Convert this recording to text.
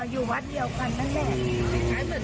อยู่วันเดียวกันแน่